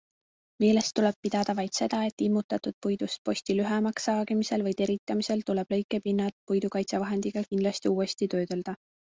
Meeles tuleb pidada vaid seda, et immutatud puidust posti lühemaks saagimisel või teritamisel tuleb lõikepinnad puidukaitsevahendiga kindlasti uuesti töödelda.